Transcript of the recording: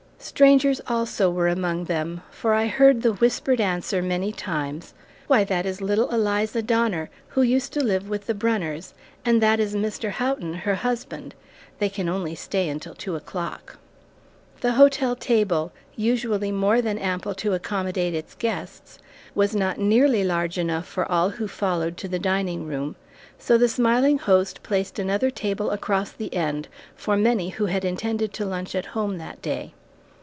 Strangers also were among them, for I heard the whispered answer many times, "Why, that is little Eliza Donner, who used to live with the Brunners, and that is Mr. Houghton, her husband they can only stay until two o'clock." The hotel table, usually more than ample to accommodate its guests, was not nearly large enough for all who followed to the dining room, so the smiling host placed another table across the end for many who had intended to lunch at home that day.